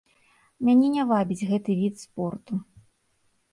Мяне не вабіць гэты від спорту.